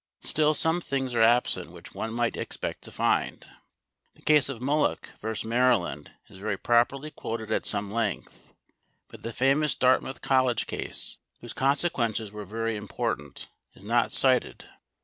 Still some things are absent which one might expect to find. The case of McCulloch vs. Maryland is very properly quoted at some length, but the famous Dartmouth College case, whose consequences were very important, is not cited.